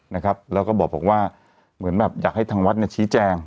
นะครับแล้วก็บอกว่าเหมือนแบบอยากให้ทางวัดเนี่ยชี้แจง